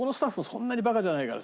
そんなにバカじゃないからさ